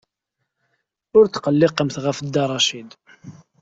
Ur tetqellqemt ɣef Dda Racid.